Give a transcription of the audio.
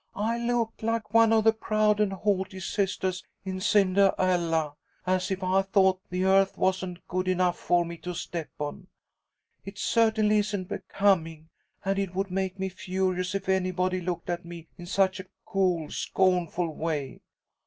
"I look like one of the proud and haughty sistahs in 'Cindahella,' as if I thought the earth wasn't good enough for me to step on. It certainly isn't becoming, and it would make me furious if anybody looked at me in such a cool, scornful way.